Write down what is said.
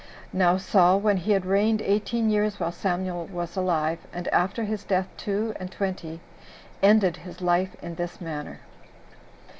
Now Saul, when he had reigned eighteen years while Samuel was alive, and after his death two [and twenty], ended his life in this manner.